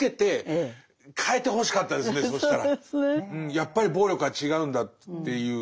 やっぱり暴力は違うんだっていう。